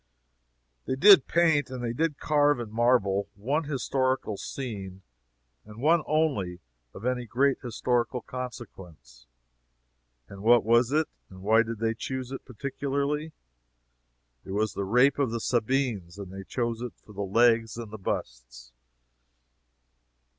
They did paint, and they did carve in marble, one historical scene, and one only, (of any great historical consequence.) And what was it and why did they choose it, particularly? It was the Rape of the Sabines, and they chose it for the legs and busts.